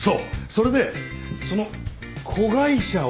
それでその子会社を。